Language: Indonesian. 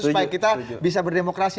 supaya kita bisa berdemokrasi